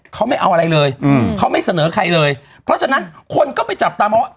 เขาไม่เอาอะไรเลยอืมเขาไม่เสนอใครเลยเพราะฉะนั้นคนก็ไปจับตามองว่า